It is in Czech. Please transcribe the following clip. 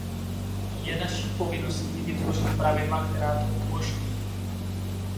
Je naší povinností vytvořit pravidla, která to umožní.